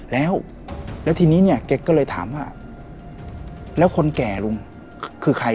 แล้วแล้วทีนี้เนี่ยแกก็เลยถามว่าแล้วคนแก่ลุงคือใคร